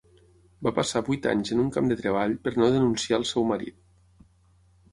Va passar vuit anys en un camp de treball per no denunciar el seu marit.